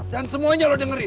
dan semuanya lo dengerin